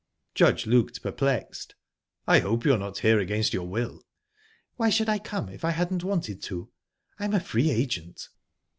Judge looked perplexed. "I hope you're not here against your will?" "Why should I come, if I hadn't wanted to? I'm a free agent."